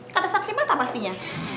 kata saksi mata pastinya